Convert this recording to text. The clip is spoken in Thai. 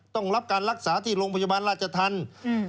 ต้องรับการรักษาที่โรงพยาบาลราชธรรม